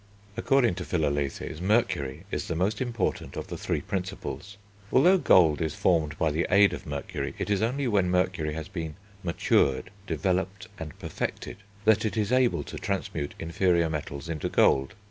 According to Philalethes, Mercury is the most important of the three Principles. Although gold is formed by the aid of Mercury, it is only when Mercury has been matured, developed, and perfected, that it is able to transmute inferior metals into gold.